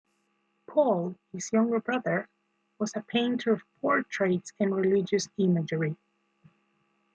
Paul, his younger brother, was a painter of portraits and religious imagery.